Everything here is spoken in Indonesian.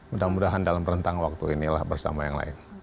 mudah mudahan dalam rentang waktu inilah bersama yang lain